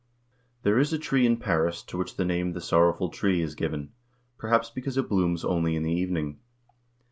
There is a tree in Paris to which the name "The Sorrowful Tree" is given. Perhaps because it blooms only in the evening.